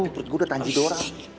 perut gue udah tanji dorang